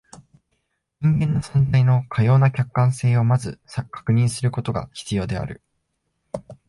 人間の存在のかような客観性を先ず確認することが必要である。